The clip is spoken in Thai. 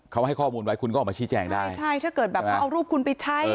เขาให้ข้อมูลไว้คุณก็ออกมาชี้แจงได้ใช่ถ้าเกิดแบบเขาเอารูปคุณไปใช้